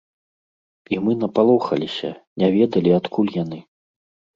І мы напалохаліся, не ведалі, адкуль яны.